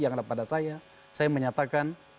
yang ada pada saya saya menyatakan